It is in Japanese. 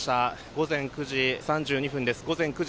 午前９時３２分です。